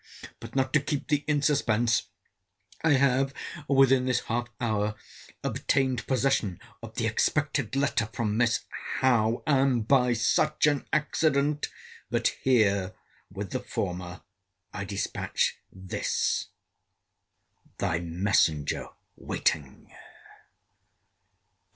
But not to keep thee in suspense; I have, within this half hour, obtained possession of the expected letter from Miss Howe—and by such an accident! But here, with the former, I dispatch this; thy messenger waiting.